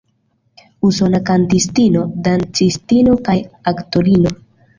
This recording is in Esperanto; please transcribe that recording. Usona kantistino, dancistino kaj aktorino.